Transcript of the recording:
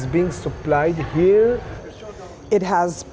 dan segalanya diberikan di sini